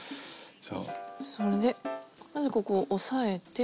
それでまずここを押さえて。